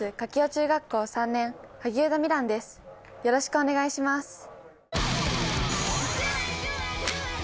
よろしくお願いします。